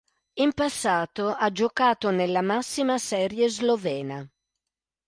In passato ha giocato nella massima serie slovena.